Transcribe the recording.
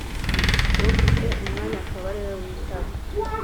ufite umwanya akaba ari we witaba